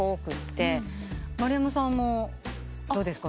丸山さんもどうですか？